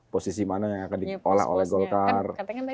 posisi mana yang akan diolah oleh golkar